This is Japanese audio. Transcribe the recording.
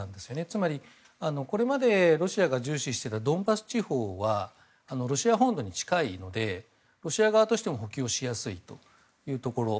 つまり、これまでロシアが重視していたドンバス地方はロシア本土に近いのでロシア側としても補給をしやすいというところ。